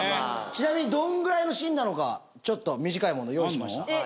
ちなみにどんぐらいのシーンなのかちょっと短いもの用意しました。